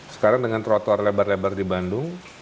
sekarang dengan trotoar lebar lebar di bandung